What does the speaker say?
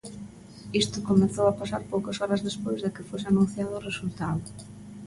Isto comezou a pasar poucas horas despois de que fose anunciado o resultado.